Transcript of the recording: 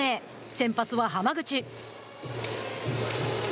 先発は浜口。